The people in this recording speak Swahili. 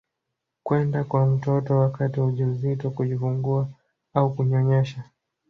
kwenda kwa mtoto wakati wa ujauzito kujifungua au kunyonyesha